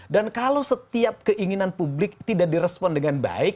dan kalau setiap keinginan publik tidak di respon dengan baik